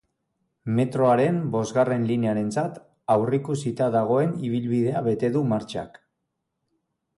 Metroaren bosgarren linearentzat aurreikusita dagoen ibilbidea bete du martxak.